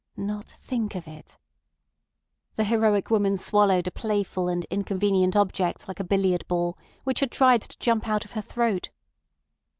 Not think of it! The heroic woman swallowed a playful and inconvenient object like a billiard ball, which had tried to jump out of her throat.